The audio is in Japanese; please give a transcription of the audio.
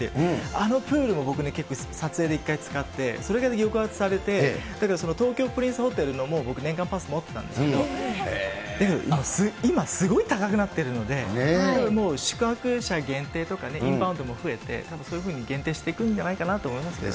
あのプールも僕、結構撮影で一回使って、それで抑圧されて、だからその東京プリンスホテルのもう僕年間パス持ってたんですけど、今、すごい高くなってるので、もう宿泊者限定とかね、インバウンドも増えて、そういうふうに限定してくんじゃないかなと思いますけどね。